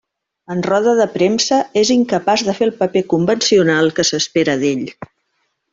En roda de premsa, és incapaç de fer el paper convencional que s'espera d'ell.